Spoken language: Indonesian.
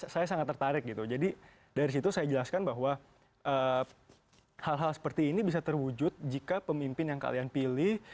saya sangat tertarik gitu jadi dari situ saya jelaskan bahwa hal hal seperti ini bisa terwujud jika pemimpin yang kalian pilih